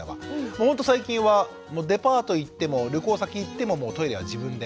ほんと最近はデパート行っても旅行先行ってもトイレは自分で。